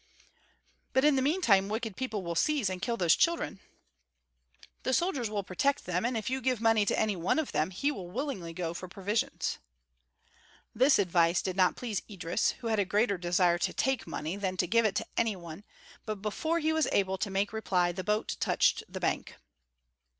"But in the meantime wicked people will seize and kill those children." "The soldiers will protect them, and if you give money to any one of them, he will willingly go for provisions." This advice did not please Idris who had a greater desire to take money than to give it to any one, but before he was able to make reply the boat touched the bank.